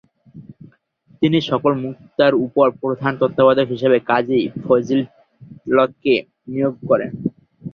তিনি সকল মুক্তার ওপর প্রধান তত্ত্বাবধায়ক হিসেবে কাজী ফজীলতকে নিয়োগ করেন।